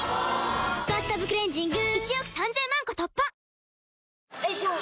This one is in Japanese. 「バスタブクレンジング」１億３０００万個突破！